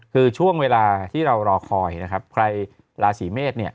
คือช่วงเวลาที่เรารอคอยนะครับใครราศีเมษเนี่ย